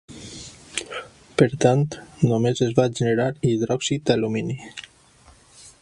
Per tant, només es va generar hidròxid d'alumini.